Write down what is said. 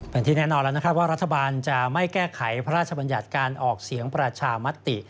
เป็นที่แน่นอนแล้วนะครับว่ารัฐบาลจะไม่แก้ไขพระราชบัญญัติการออกเสียงประชามติ